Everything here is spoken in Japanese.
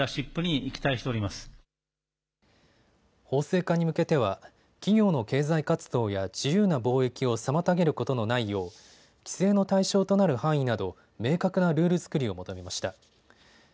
法制化に向けては企業の経済活動や自由な貿易を妨げることのないよう規制の対象となる範囲など明確なルール作りを求めました。